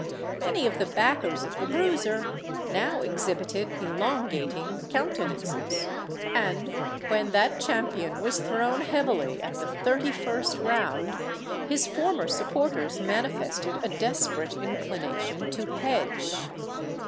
Many of the backers of the Bruiser now exhibited elongating countenances; and, when that champion was thrown heavily at the thirty first round, his former supporters manifested a desperate inclination to "hedge."